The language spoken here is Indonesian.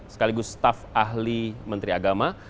sekaligus staf ahli menteri agama